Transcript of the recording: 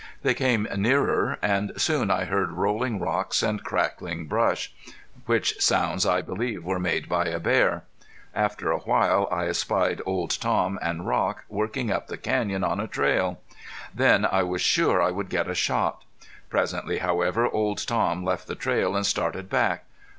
They came nearer, and soon I heard rolling rocks and cracking brush, which sounds I believed were made by a bear. After a while I espied Old Tom and Rock working up the canyon on a trail. Then I was sure I would get a shot. Presently, however, Old Tom left the trail and started back.